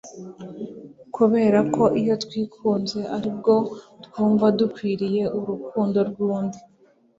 kubera ko iyo twikunze ari bwo twumva dukwiriye urukundo rw'undi